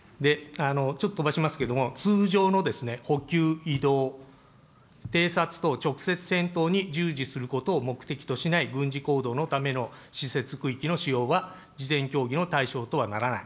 ちょっと飛ばしますけれども、通常の補給、移動、偵察等、直接戦闘に従事することを目的としない軍事行動のための施設、区域の使用は、事前協議の対象とはならない。